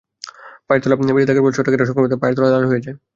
পায়ের তলা ভেজা থাকার ফলে ছত্রাকের সংক্রমণ হলে পায়ের তলা লাল হয়ে যায়।